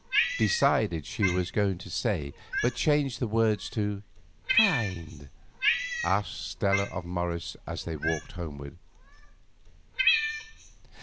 —"decided" she was going to say, but changed the word to "kind"—asked Stella of Morris as they walked homeward.